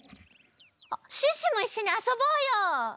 あっシュッシュもいっしょにあそぼうよ！